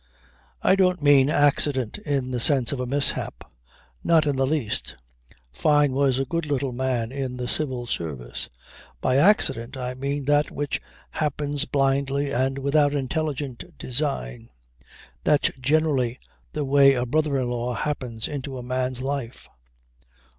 "I don't mean accident in the sense of a mishap. Not in the least. Fyne was a good little man in the Civil Service. By accident I mean that which happens blindly and without intelligent design. That's generally the way a brother in law happens into a man's life."